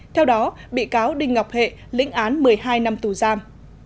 theo đó bị cáo đinh ngọc hệ lĩnh án một mươi hai năm tù giam